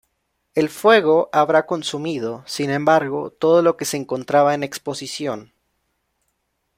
El fuego habrá consumido, sin embargo, todo lo que se encontraba en exposición.